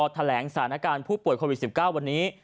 แถลงสถานการณ์ผู้ป่วยโควิด๑๙วันนี้